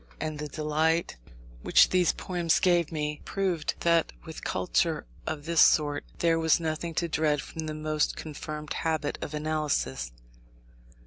And the delight which these poems gave me, proved that with culture of this sort, there was nothing to dread from the most confirmed habit of analysis.